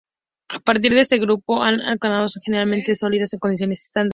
A partir de este grupo, los n-alcanos son generalmente sólidos en condiciones estándar.